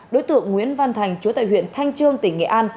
đối tượng nguyễn văn thành chú tại huyện thanh trương tỉnh nghệ an